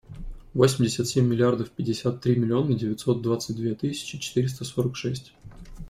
Восемьдесят семь миллиардов пятьдесят три миллиона девятьсот двадцать две тысячи четыреста сорок шесть.